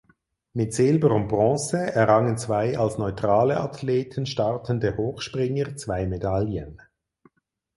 Mit Silber und Bronze errangen zwei als Neutrale Athleten startende Hochspringer zwei Medaillen.